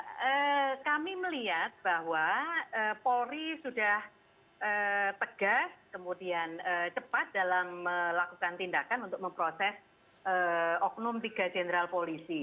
nah kami melihat bahwa polri sudah tegas kemudian cepat dalam melakukan tindakan untuk memproses